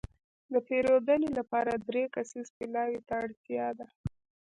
د پېرودنې لپاره دری کسیز پلاوي ته اړتياده.